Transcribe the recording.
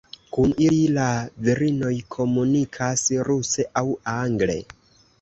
Kun ili la virinoj komunikas ruse aŭ angle.